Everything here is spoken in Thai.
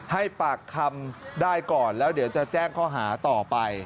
ให้ปากคำได้ก่อนแล้วเดี๋ยวจะแจ้งข้อหาต่อไป